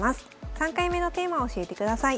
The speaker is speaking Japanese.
３回目のテーマを教えてください。